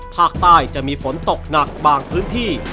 ภาคใต้จะมีฝนตกหนักบางพื้นที่